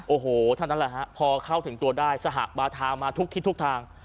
โอ้โหเท่านั้นแหละฮะพอเข้าถึงตัวได้สหบาทามาทุกทิศทุกทาง